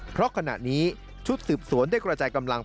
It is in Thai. เพราะขณะนี้ชุดสืบสวนได้กระจายกำลัง